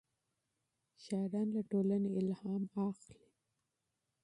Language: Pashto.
شاعران له ټولنې الهام اخلي.